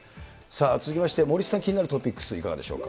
続きまして、森さん、気になるトピックス、いかがでしょうか。